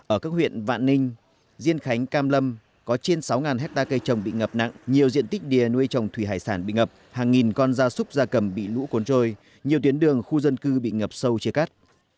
ở các huyện vạn ninh diên khánh cam lâm có trên sáu hectare cây trồng bị ngập nặng nhiều diện tích đìa nuôi trồng thủy hải sản bị ngập hàng nghìn con da súc da cầm bị lũ cuốn trôi nhiều tuyến đường khu dân cư bị ngập sâu chia cắt